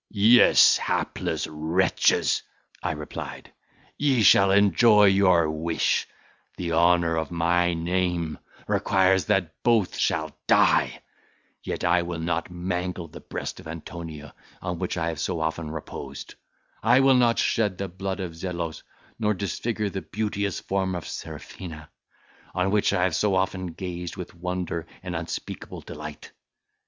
"Yes, hapless wretches," I replied, "ye shall enjoy your wish: the honour of my name requires that both shall die; yet I will not mangle the breast of Antonia, on which I have so often reposed; I will not shed the blood of Zelos, nor disfigure the beauteous form of Serafina, on which I have so often gazed with wonder and unspeakable delight.